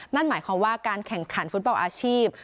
นั่นหมายความว่าการแข่งขันฟุตบอลอาชีพ